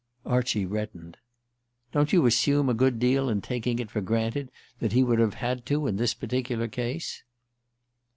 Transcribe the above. Archie reddened. "Don't you assume a good deal in taking it for granted that he would have had to in this particular case?"